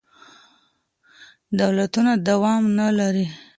دولتونه دوام نه لري.